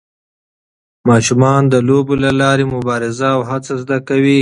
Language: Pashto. ماشومان د لوبو له لارې مبارزه او هڅه زده کوي.